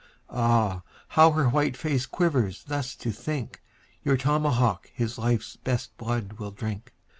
Ah, how her white face quivers thus to think, Your tomahawk his life's best blood will drink.